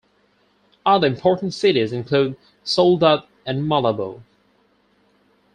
Other important cities include Soledad and Malambo.